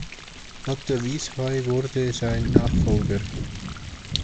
Otto Wiesheu wurde sein Nachfolger.